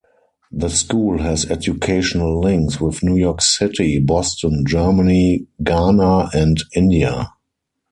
The school has educational links with New York City, Boston, Germany, Ghana, and India.